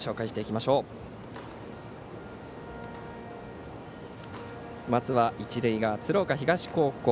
まずは一塁側、鶴岡東高校。